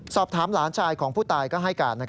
หลานชายของผู้ตายก็ให้การ